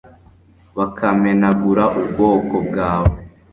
bakamenagura ubwoko bwawe